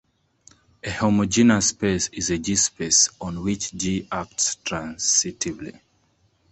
A homogeneous space is a "G"-space on which "G" acts transitively.